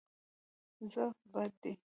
ضعف بد دی.